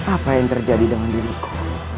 apa yang terjadi dengan diriku